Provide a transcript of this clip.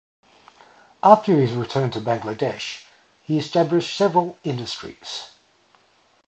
After his return to Bangladesh, he established several industries.